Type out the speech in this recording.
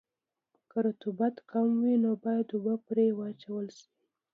که رطوبت کم وي نو باید اوبه پرې واچول شي